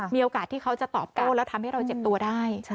มีโอกาสที่เขาจะตอบโต้แล้วทำให้เราเจ็บตัวได้